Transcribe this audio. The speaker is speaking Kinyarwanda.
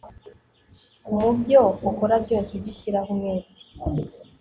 mu byo ukora byose, ujye ushyiraho umwete